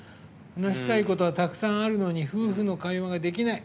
話したいことはたくさんあるのに夫婦の会話ができない。